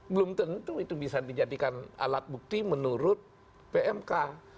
belum tentu itu bisa dijadikan alat bukti menurut pmk